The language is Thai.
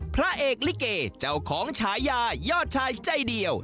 พระเอกลิเกเจ้าของฉายายอดชายใจเดียว